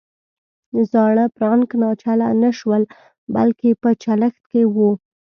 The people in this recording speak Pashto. زاړه فرانک ناچله نه شول بلکې په چلښت کې وو.